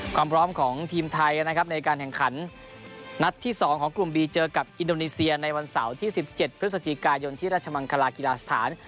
ความพร้อมของทีมไทยนะครับในการแข่งขันนัดที่๒ของกลุ่มบีเจอกับอินโดนีเซียในวันเสาร์ที่๑๗พฤศจิกายนที่ราชมังคลากีฬาสถาน